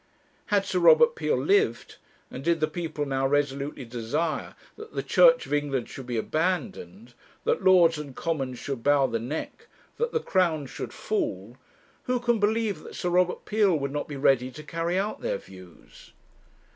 Had Sir Robert Peel lived, and did the people now resolutely desire that the Church of England should be abandoned, that Lords and Commons should bow the neck, that the Crown should fall, who can believe that Sir Robert Peel would not be ready to carry out their views?